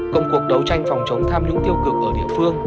công cuộc đấu tranh phòng chống tham nhũng tiêu cực ở địa phương